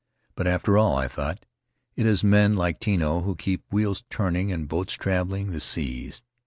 But, after all, I thought, it is men like Tino who keep wheels turning and boats traveling the seas.